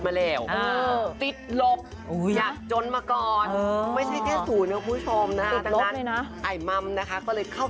เอาว่าคือมวลซื่นแน่นอนนะคะ